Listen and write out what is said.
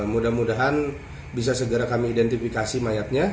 mudah mudahan bisa segera kami identifikasi mayatnya